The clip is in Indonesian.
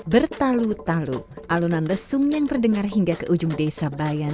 bertalu talu alunan lesung yang terdengar hingga ke ujung desa bayan